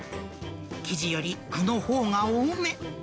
生地より具のほうが多め。